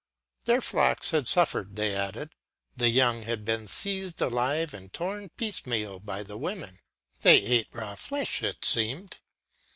Their flocks had suffered, they added, the young had been seized alive and torn piecemeal by the women; they ate raw flesh, it seemed.